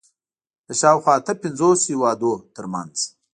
د شاوخوا اته پنځوس هېوادونو تر منځ